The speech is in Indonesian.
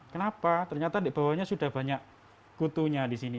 kenapa ternyata di bawahnya sudah banyak kutunya di sini